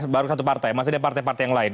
baru satu partai masih ada partai partai yang lain